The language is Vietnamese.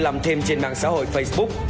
làm thêm trên mạng xã hội facebook